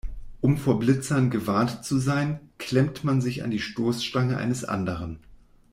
Um vor Blitzern gewarnt zu sein, klemmt man sich an die Stoßstange eines anderen.